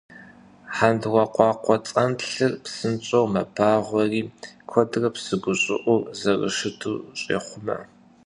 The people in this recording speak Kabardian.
ХьэндыркъуакъуэцӀэнлъыр псынщӀэу мэбагъуэри куэдрэ псы гущӀыӀур зэрыщыту щӀехъумэ.